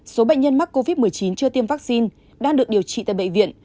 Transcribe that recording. số bệnh nhân mắc covid một mươi chín chưa tiêm vaccine đang được điều trị tại bệnh viện